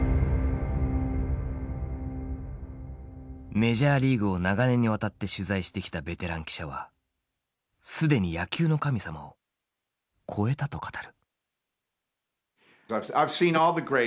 メジャーリーグを長年にわたって取材してきたベテラン記者は「既に野球の神様を超えた」と語る。